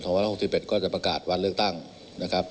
๑๖๑ก็จะประกาศวันเลือกตั้งนะครับ